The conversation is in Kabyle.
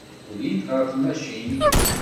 Ulint ɣer tmacint.